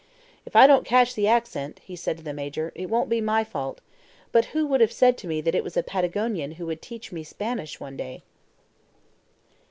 "If I don't catch the accent," he said to the Major, "it won't be my fault; but who would have said to me that it was a Patagonian who would teach me Spanish one day?"